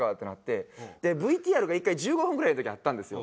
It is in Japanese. でＶＴＲが１回１５分ぐらいの時あったんですよ。